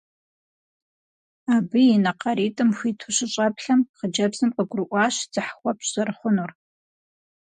Абы и нэ къаритӀым хуиту щыщӀэплъэм, хъыджэбзым къыгурыӀуащ дзыхь хуэпщӀ зэрыхъунур.